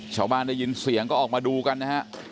ชาวบ้านได้ยินเสียงก็ออกมาดูกันนะฮะ